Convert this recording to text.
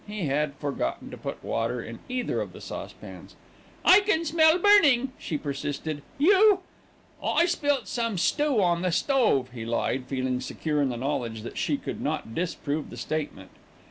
He had forgotten to put water in either of the saucepans. "I can smell burning," she persisted, "you " "I spilt some stoo on the stove," he lied, feeling secure in the knowledge that she could not disprove the statement.